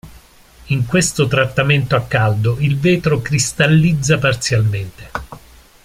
In questo trattamento a caldo il vetro cristallizza parzialmente.